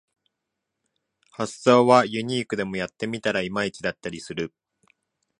発想はユニークでもやってみたらいまいちだったりする